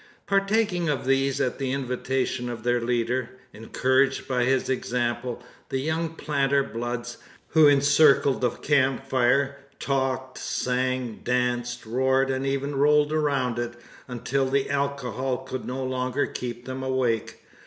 Partaking of these at the invitation of their leader encouraged by his example the young planter "bloods" who encircled the camp fire, talked, sang, danced, roared, and even rolled around it, until the alcohol could no longer keep them awake.